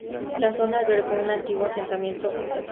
La zona albergó un antiguo asentamiento etrusco.